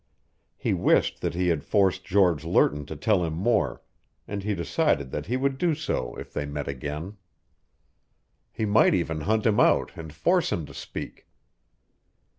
He wished that he had forced George Lerton to tell him more, and he decided that he would do so if they met again. He might even hunt him out and force him to speak.